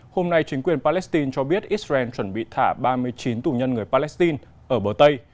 hôm nay chính quyền palestine cho biết israel chuẩn bị thả ba mươi chín tù nhân người palestine ở bờ tây